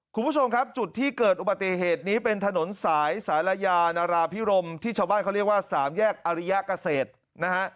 คุณผู้ชมครับจุดที่เกิดอุบัติเหตุนี้เป็นถนนสายสารยานาราพิรมที่ชาวบ้านเขาเรียกว่าสามแยกอริยเกษตรนะฮะ